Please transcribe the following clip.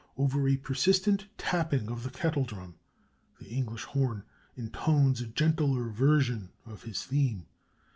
Over a persistent tapping of the kettle drum, the English horn intones a gentler version of his theme.